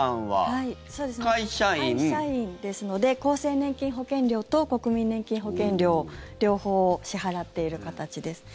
会社員ですので厚生年金保険料と国民年金保険料両方支払っている形です。